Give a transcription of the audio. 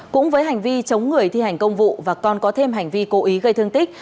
cũng với hành vi chống người thi hành công vụ và còn có thêm hành vi cố ý gây thương tích